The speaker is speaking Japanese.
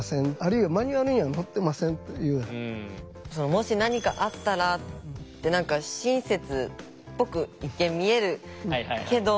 「もし何かあったら」って親切っぽく一見見えるけど。